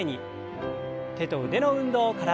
手と腕の運動から。